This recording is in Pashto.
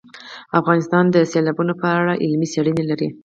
افغانستان د سیلابونه په اړه علمي څېړنې لري.